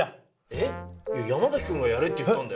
山崎くんがやれって言ったんだよ。